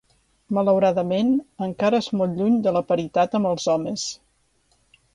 Malauradament, encara és molt lluny de la paritat amb els homes.